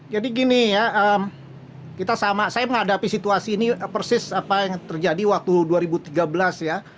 jadi gini ya saya menghadapi situasi ini persis apa yang terjadi waktu dua ribu tiga belas ya